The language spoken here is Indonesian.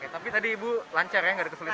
tapi tadi ibu lancar ya